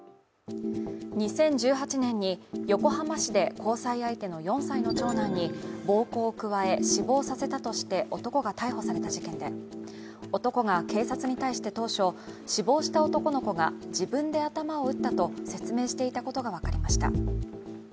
２０１８年に横浜市で交際相手の４歳の長男に暴行を加え死亡させたとして男が逮捕された事件で男が警察に対して当初、死亡した男の子が自分で頭を打ったと説明していたことが分かりました。